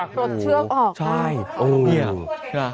รสเชือกออกนะครับโอ้โฮใช่